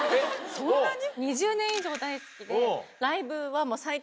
そんなに？